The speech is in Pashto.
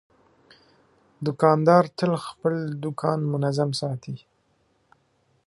دوکاندار تل خپل دوکان منظم ساتي.